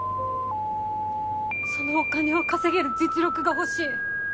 そのお金を稼げる実力が欲しい。